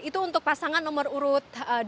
itu untuk pasangan nomor urut dua